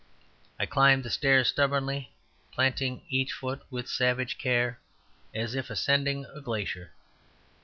I climbed the stairs stubbornly, planting each foot with savage care, as if ascending a glacier.